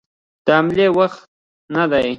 د حملې وخت نه دی.